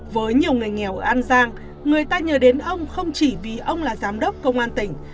với nhiều người nghèo ở an giang người ta nhớ đến ông không chỉ vì ông là giám đốc công an tỉnh